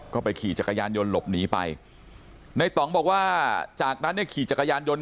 ก็ไปขี่จักรยานยนต์หลบหนีไปในต่องบอกว่าจากนั้นเนี่ยขี่จักรยานยนต์